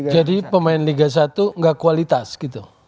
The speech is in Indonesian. jadi pemain liga satu gak kualitas gitu